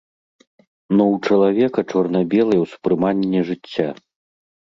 Ну ў чалавека чорна-белае ўспрыманне жыцця.